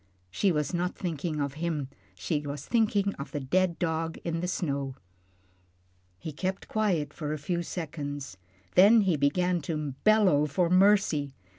She was not thinking of him, she was thinking of the dead dog out on the snow. He kept quiet for a few seconds, then he began to bellow for mercy.